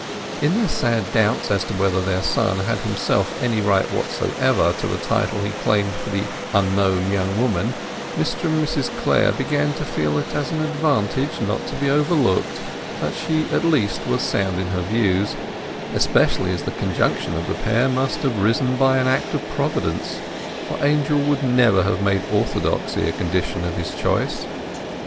In their sad doubts as to whether their son had himself any right whatever to the title he claimed for the unknown young woman, Mr and Mrs Clare began to feel it as an advantage not to be overlooked that she at least was sound in her views; especially as the conjunction of the pair must have arisen by an act of Providence; for Angel never would have made orthodoxy a condition of his choice.